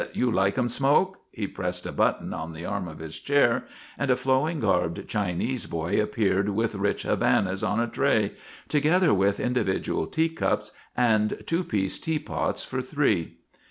You likem smoke?" He pressed a button on the arm of his chair and a flowing garbed Chinese boy appeared with rich Havanas on a tray, together with individual teacups and two piece teapots for three.